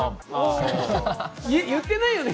言ってないよね？